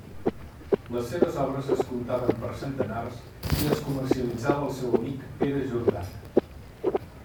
Les seves obres es contaven per centenars i les comercialitzava el seu amic Pere Jordana.